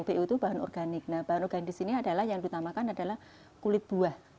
bo itu bahan organik nah bahan organik di sini yang ditamakan adalah kulit buah